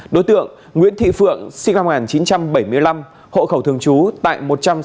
đối tượng nguyễn thị phượng sinh năm một nghìn chín trăm bảy mươi năm hộ khẩu thường trú tại một trăm sáu mươi bảy